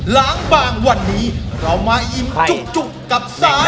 ล้างบางวันนี้เรามาอิมจุ๊กจุ๊กกับซ้าย